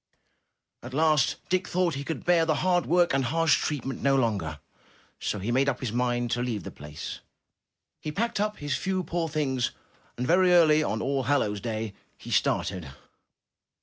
*' At last Dick thought he could bear the hard work and harsh treatment no longer, so he made up his mind to leave the place. He packed up his few poor things and very early on All hallows Day, he started.